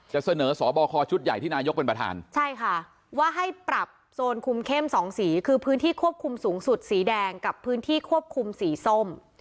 จะเสนอสอบคอชุดใหญ่ที่นายกเป็นประธานใช่ค่ะว่าให้ปรับโซนคุมเข้มสองสีคือพื้นที่ควบคุมสูงสุดสีแดงกับพื้นที่ควบคุมสีส้ม